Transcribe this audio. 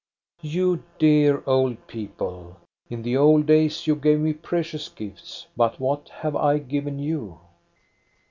You dear old people ! In the old days you gave me precious gifts. But what have I given you.?